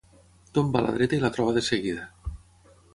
Tomba a la dreta i la troba de seguida.